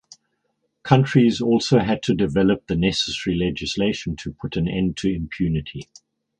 Countries also had to develop the necessary legislation to put an end to impunity.